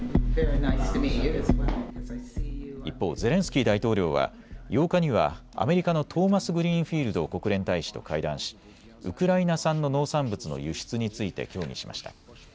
一方、ゼレンスキー大統領は８日にはアメリカのトーマスグリーンフィールド国連大使と会談しウクライナ産の農産物の輸出について協議しました。